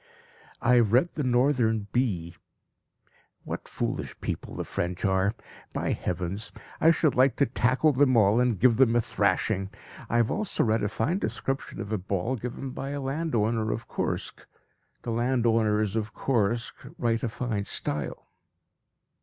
I have read the Northern Bee. What foolish people the French are! By heavens! I should like to tackle them all, and give them a thrashing. I have also read a fine description of a ball given by a landowner of Kursk. The landowners of Kursk write a fine style.